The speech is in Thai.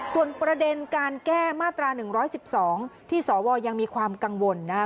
ส่วนประเด็นการแก้มาตรา๑๑๒ที่สวยังมีความกังวลนะครับ